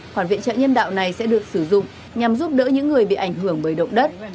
khoản viện trợ nhân đạo này sẽ được sử dụng nhằm giúp đỡ những người bị ảnh hưởng bởi động đất